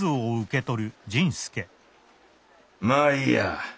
まあいいや。